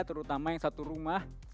terutama yang satu rumah